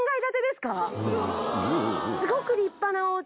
すごく立派なお家。